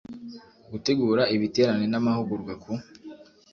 gutegura ibiterane n amahugurwa ku